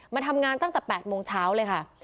มาทำงานตั้งแต่๘โมงเช้าเลยค่ะ